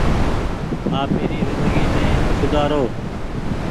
آپيري زندگي ني سوُدآرو ۔